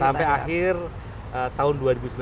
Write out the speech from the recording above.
sampai akhir tahun dua ribu sembilan belas